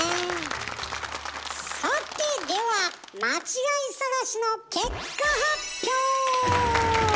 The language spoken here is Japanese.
さてでは間違い探しの結果発表！